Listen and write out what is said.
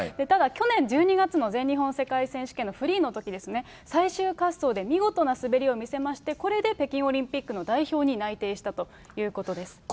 ただ去年１２月の全日本選手権のときのフリーのときですね、最終滑走で見事な滑りを見せまして、これで北京オリンピックの代表に内定したということです。